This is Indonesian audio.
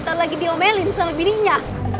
ntar lagi diomelin sama bininya